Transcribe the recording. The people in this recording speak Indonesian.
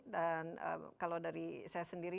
dan kalau dari saya sendiri